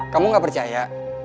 kamu gak percaya